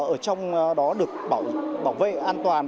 ở trong đó được bảo vệ an toàn